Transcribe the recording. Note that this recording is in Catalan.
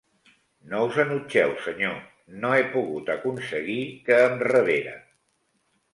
No us enutgeu, senyor; no he pogut aconseguir que em rebera;